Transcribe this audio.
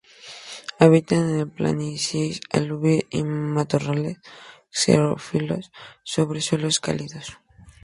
Habita en planicies aluviales y matorrales xerófilos sobre suelos calizos.